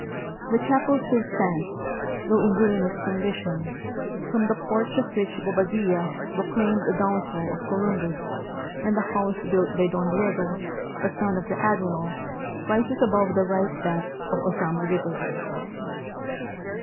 The chapel still stands, though in ruinous condition, from the porch of which Bobadilla pro claimed the downfall of Columbus, and the house built by Don Diego, the son of the Admiral, rises above the right bank of Ozama river.